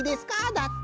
だって。